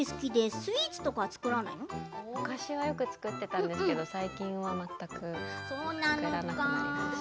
昔はよく作っていたけど最近は全くやらなくなりました。